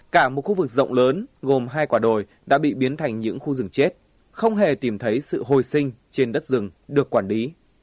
cả một khu vực rộng lớn gồm hai quả đồi đã bị biến thành những khu rừng chết không hề tìm thấy sự hồi sinh trên đất rừng được quản lý